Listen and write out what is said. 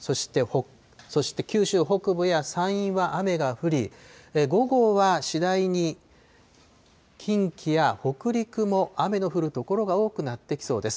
そして九州北部や山陰は雨が降り、午後は次第に近畿や北陸も雨の降る所が多くなってきそうです。